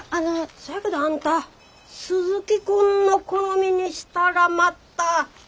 そやけどあんた鈴木君の好みにしたらまたええ？